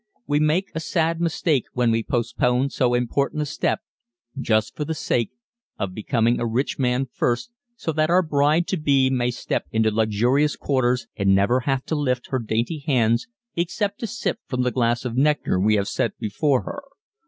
We make a sad mistake when we postpone so important a step just for the sake of becoming a rich man first so that our bride to be may step into luxurious quarters and never have to lift her dainty hands except to sip from the glass of nectar we have set before her.